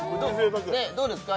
どうですか？